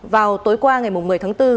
vào tối qua ngày một mươi tháng bốn